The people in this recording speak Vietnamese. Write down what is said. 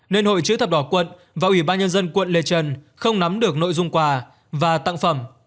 nên hội chữ thập đỏ quận và ủy ban nhân dân quận lê trần không nắm được nội dung quà và tặng phẩm